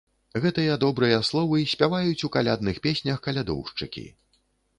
Гэтыя добрыя словы спяваюць у калядных песнях калядоўшчыкі.